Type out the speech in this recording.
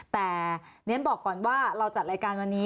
แต่เรียนบอกก่อนว่าเราจัดรายการวันนี้